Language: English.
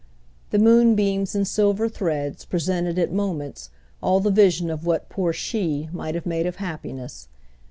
The moonbeams and silver threads presented at moments all the vision of what poor she might have made of happiness.